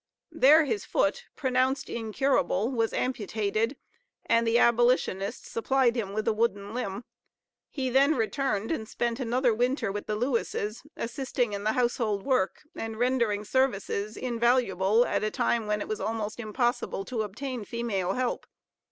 There his foot, pronounced incurable, was amputated, and the abolitionists supplied him with a wooden limb. He then returned and spent another winter with the Lewises, assisting in the household work, and rendering services invaluable at a time when it was almost impossible to obtain female help.